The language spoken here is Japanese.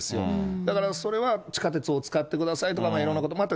だからそれは、地下鉄を使ってくださいってとかの、いろんなこともあった。